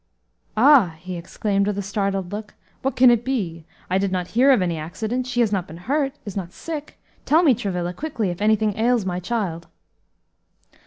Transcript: "Ah!" he exclaimed, with a startled look, "what can it be? I did not hear of any accident she has not been hurt? is not sick? tell me, Travilla, quickly, if anything ails my child."